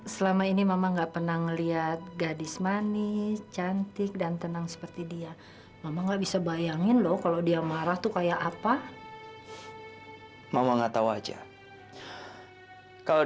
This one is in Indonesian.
sampai jumpa di video selanjutnya